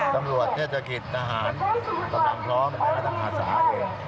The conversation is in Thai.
ตำรวจเทศกิจทหารตำรวจพร้อมและตำรวจสหรัฐสหรัฐเอง